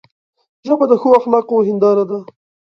ژبه د ښو اخلاقو هنداره ده